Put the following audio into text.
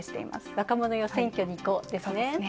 「若者よ、選挙に行こう」ですね。